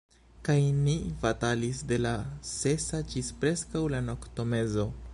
Kaj ni batalis de la sesa ĝis preskaŭ la noktomezo.